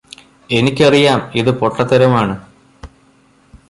എനിക്കറിയാം ഇത് പൊട്ടത്തരമാണ്